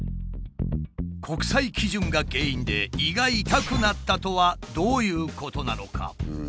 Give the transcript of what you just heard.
国際基準が原因で胃が痛くなったとはどういうことなのか？